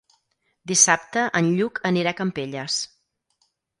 Dissabte en Lluc anirà a Campelles.